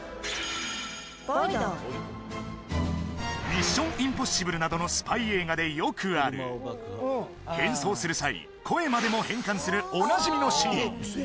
「ミッション：インポッシブル」などのスパイ映画でよくある変装する際声までも変換するおなじみのシーン